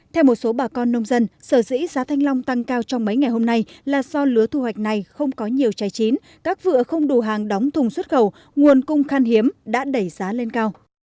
theo một số bà con nông dân sở dĩ giá thanh long tăng cao trong mấy ngày hôm nay là do lứa thu hoạch này không có nhiều trái chín các vựa không đủ hàng đóng thùng xuất khẩu nguồn cung khan hiếm đã đẩy giá lên cao